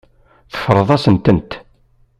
Teffreḍ-asent-tent.